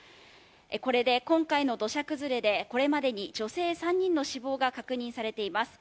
これで今回の土砂崩れでこれまでに女性３人の死亡が確認されています。